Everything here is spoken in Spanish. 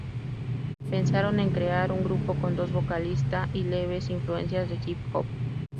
Pensaron en crear un grupo con dos vocalista y leves influencias de hip-hop.